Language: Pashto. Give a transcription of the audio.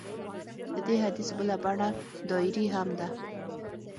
د دې حدیث بله بڼه ډایري هم ده.